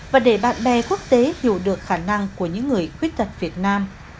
và để bạn bè quốc tế hiểu được khả năng của những người khuyết tật việt nam